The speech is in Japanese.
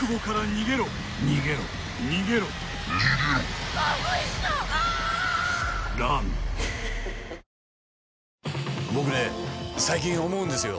僕ずっ僕ね最近思うんですよ。